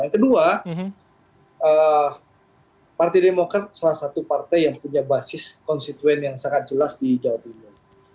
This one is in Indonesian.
yang kedua partai demokrat salah satu partai yang punya basis konstituen yang sangat jelas di jawa timur